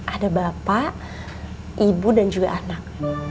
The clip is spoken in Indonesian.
ada bapak ibu dan juga anak